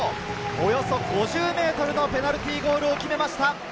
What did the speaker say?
およそ５０ｍのペナルティーゴールを決めました！